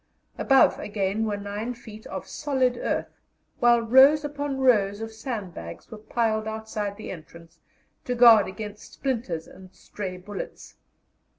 Above, again, were 9 feet of solid earth, while rows upon rows of sandbags were piled outside the entrance to guard against splinters and stray bullets.